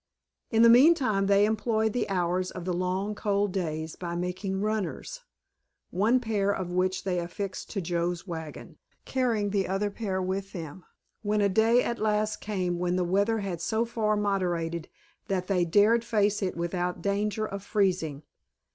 In the meantime they employed the hours of the long cold days by making runners, one pair of which they affixed to Joe's wagon, carrying the other pair with them when a day at last came when the weather had so far moderated that they dared face it without danger of freezing.